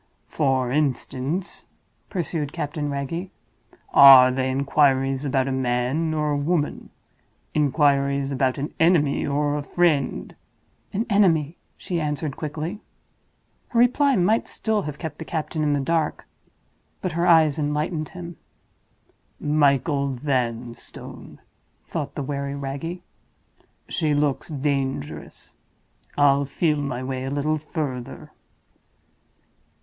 "For instance," pursued Captain Wragge, "are they inquiries about a man or a woman; inquiries about an enemy or a friend—?" "An enemy," she answered, quickly. Her reply might still have kept the captain in the dark—but her eyes enlightened him. "Michael Vanstone!" thought the wary Wragge. "She looks dangerous; I'll feel my way a little further."